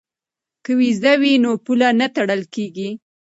که ویزه وي نو پوله نه تړل کیږي.